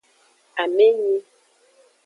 Amenyi.